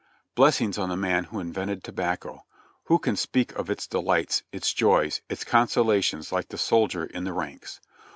Blessings on the man who invented tobacco ! Who can speak of its delights, its joys, its consolations like the soldier in the ranks